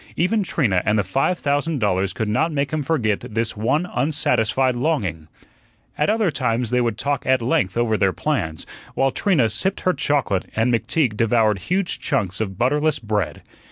Even Trina and the five thousand dollars could not make him forget this one unsatisfied longing. At other times they would talk at length over their plans, while Trina sipped her chocolate and McTeague devoured huge chunks of butterless bread.